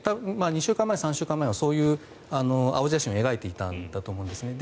２週間前、３週間前はそういう青写真を描いていたんだと思います。